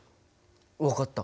分かった。